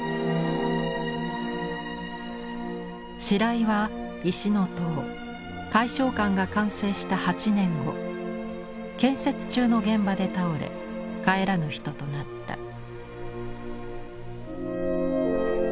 白井は石の塔懐霄館が完成した８年後建設中の現場で倒れ帰らぬ人となった。